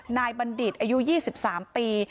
บัณฑิตอายุ๒๓ปี